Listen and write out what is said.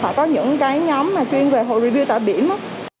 họ có những cái nhóm mà chuyên về hội review tải biểm đó